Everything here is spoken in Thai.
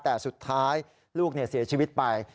แต่สุดท้ายลูกเสียชีวิตไป